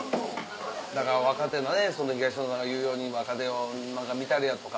だから若手のね東野さんが言うように若手を見たれやとか。